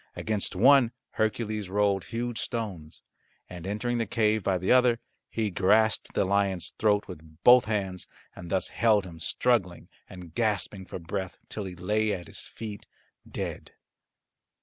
Against one Hercules rolled huge stones, and entering the cave by the other he grasped the lion's throat with both hands, and thus held him struggling and gasping for breath till he lay at his feet dead.